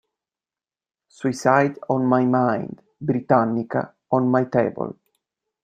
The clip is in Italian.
Suicide on my mind; Britannica on my table.